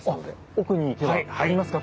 奥に行けばありますか？